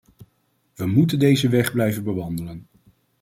We moeten deze weg blijven bewandelen.